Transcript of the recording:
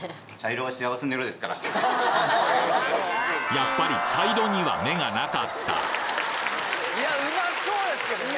やっぱり茶色には目がなかったいやうまそうですけどね。